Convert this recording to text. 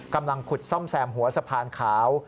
กำลังขุดซ่อมแซมหัวสะพานขาว